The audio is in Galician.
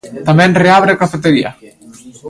Tamén reabre a cafetería.